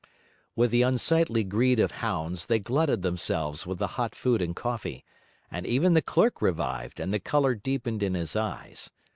With the unsightly greed of hounds they glutted themselves with the hot food and coffee; and even the clerk revived and the colour deepened in his eyes.